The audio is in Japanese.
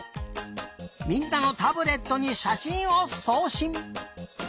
みんなのタブレットにしゃしんをそうしん！